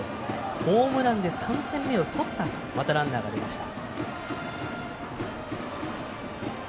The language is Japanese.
ホームランで３点目を取ったあとまたランナーが出ました。